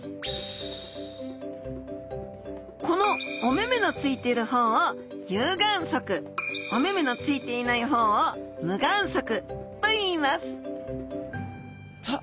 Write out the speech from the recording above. このお目々のついてる方を有眼側お目々のついていない方を無眼側といいますさあ